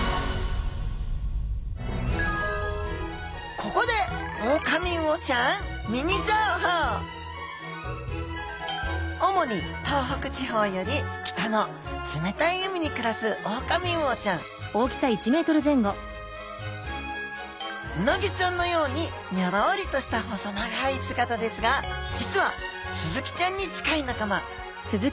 ここで主に東北地方より北の冷たい海に暮らすオオカミウオちゃんウナギちゃんのようにニョロリとした細長い姿ですが実はスズキちゃんに近い仲間。